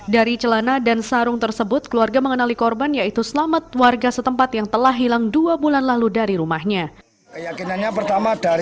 dari celana dan sarung tersebut keluarga mengenali korban yaitu selamat warga setempat yang telah hilang dua bulan lalu dari rumahnya